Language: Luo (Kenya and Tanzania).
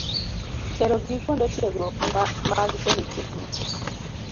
A. Terogi kuonde tiegruok mag politeknik.